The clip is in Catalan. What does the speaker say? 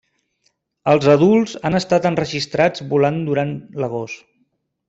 Els adults han estat enregistrats volant durant l'agost.